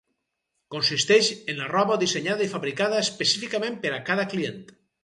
Consisteix en la roba dissenyada i fabricada específicament per a cada client.